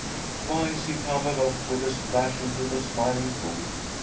Twice he tumbled off with a splash into the Smiling Pool.